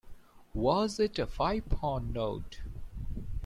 Was it a five-pound note?